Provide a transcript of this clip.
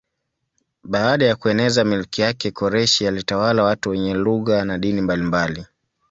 Baada ya kueneza milki yake Koreshi alitawala watu wenye lugha na dini mbalimbali.